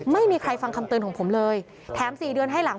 ไม่มีใครฟังคำเตือนของผมเลยแถม๔เดือนให้หลัง